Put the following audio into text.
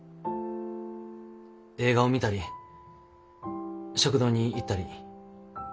映画を見たり食堂に行ったり川を眺めたり。